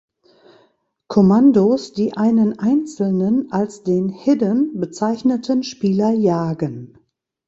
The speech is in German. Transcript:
Commandos, die einen einzelnen, als den ""Hidden"" bezeichneten Spieler jagen.